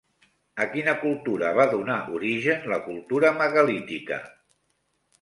A quina cultura va donar origen la cultura megalítica?